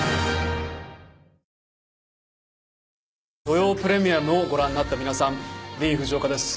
『土曜プレミアム』をご覧になった皆さんディーン・フジオカです。